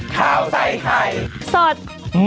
ครับ